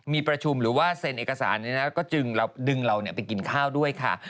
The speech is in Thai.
มีประชุมหรือว่าเซ็นเอกสารก็จึงเราดึงเราไปกินข้าวด้วยค่ะ